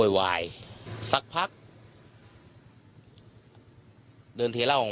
ห้ายถึงไม่พร้อมมาสักพัก